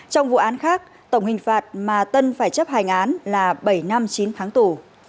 trong vụ án khác tổng hình phạt mà tân phải chấp hành án là bảy năm chín tháng tù